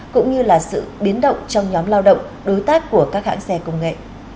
cũng như là sự biến động trong nhóm lao động đối tác của các hãng xe công nghệ